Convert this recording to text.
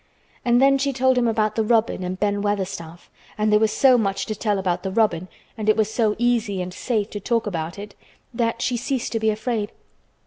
And then she told him about the robin and Ben Weatherstaff, and there was so much to tell about the robin and it was so easy and safe to talk about it that she ceased to be afraid.